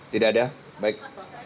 tidak ada baik